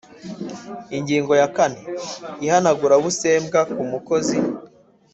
Ingingo ya kane Ihanagurabusembwa ku Mukozi